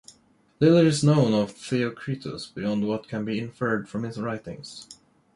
Little is known of Theocritus beyond what can be inferred from his writings.